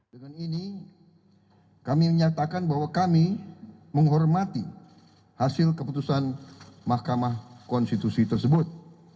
dengan ini kami menyatakan bahwa kami menghormati hasil keputusan mahkamah konstitusi tersebut